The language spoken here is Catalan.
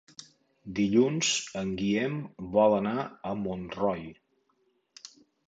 Dilluns en Guillem vol anar a Montroi.